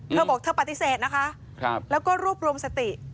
เธอบอกเธอปฏิเสธนะคะแล้วก็รวบรวมสติ